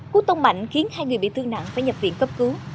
cú tông mạnh khiến hai người bị thương nặng phải nhập viện cấp cứu